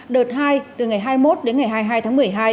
đợt hai từ ngày hai mươi một đến ngày hai mươi hai tháng một mươi hai